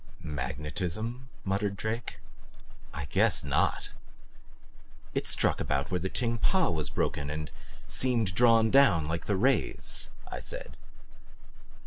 "Magnetism?" muttered Drake. "I guess NOT!" "It struck about where the Ting Pa was broken and seemed drawn down like the rays," I said.